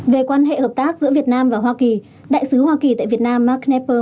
về quan hệ hợp tác giữa việt nam và hoa kỳ đại sứ hoa kỳ tại việt nam marknapper